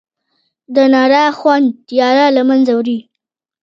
د رڼا خوند تیاره لمنځه وړي.